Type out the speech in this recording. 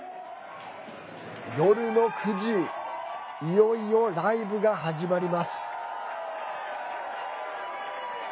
夜の９時いよいよライブが始まります。